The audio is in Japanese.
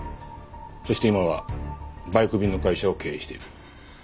そして今はバイク便の会社を経営している。